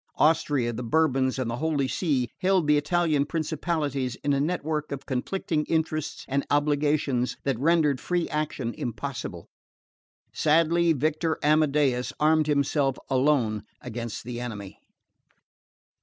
Austria, the Bourbons and the Holy See held the Italian principalities in a network of conflicting interests and obligations that rendered free action impossible. Sadly Victor Amadeus armed himself alone against the enemy.